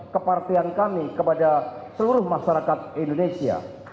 kepartian kami kepada seluruh masyarakat indonesia